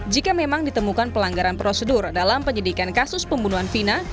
jika memang ditemukan pelanggaran prosedur dalam penyidikan kasus pembunuhan vina